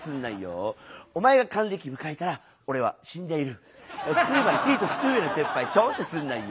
お前が還暦迎えたら俺は死んでいるあつまり１つ上の先輩ちょんってすなよ